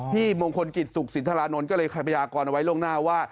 ที่มงคลกิจสุขศิษฐรานนทร์ก็เลยขายประยากรณ์เอาไว้ล่วงหน้าว่า